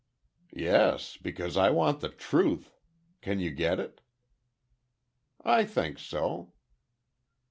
"Yes, because I want the truth. Can you get it?" "I think so."